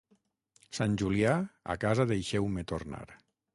Sant Julià, a casa deixeu-me tornar.